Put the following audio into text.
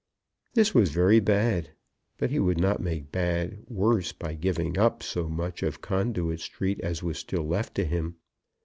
This was very bad, but he would not make bad worse by giving up so much of Conduit Street as was still left to him.